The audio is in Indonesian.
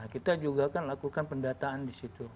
kita juga kan lakukan pendataan di situ